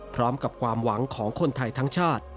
พร้อมกับความหวังของคนไทยทั้งชาติ